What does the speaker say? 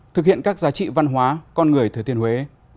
thực hiện các giá trị văn hóa con người thứ tiên huế